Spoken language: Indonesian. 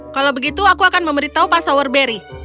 kalau begitu aku akan memberitahu pak sowerberry